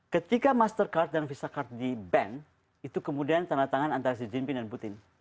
ketika mastercard dan visa card di ban itu kemudian tanda tangan antara xi jinping dan putin